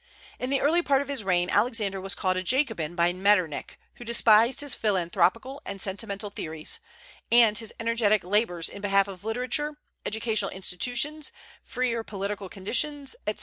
In the early part of his reign Alexander was called a Jacobin by Metternich, who despised his philanthropical and sentimental theories, and his energetic labors in behalf of literature, educational institutions, freer political conditions, etc.